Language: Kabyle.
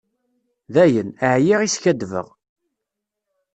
Dayen, ɛyiɣ i skaddbeɣ.